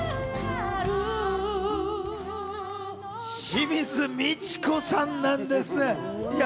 清水ミチコさんなんです。